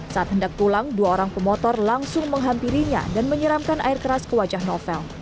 saat hendak pulang dua orang pemotor langsung menghampirinya dan menyeramkan air keras ke wajah novel